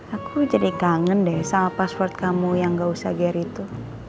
aku jadi kangen deh sama password kamu yang gak usah ger itu